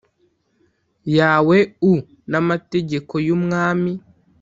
Yawe u n amategeko y umwami